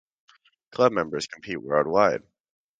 Club members compete worldwide.